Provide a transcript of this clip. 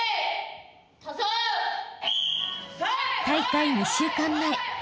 ［大会２週間前］